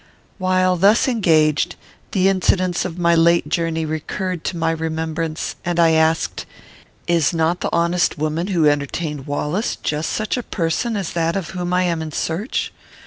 While thus engaged, the incidents of my late journey recurred to my remembrance, and I asked, "Is not the honest woman, who entertained Wallace, just such a person as that of whom I am in search?